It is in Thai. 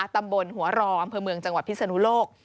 ตำบลหัวรออำเภอเมืองจังหวัดพิศนุโลก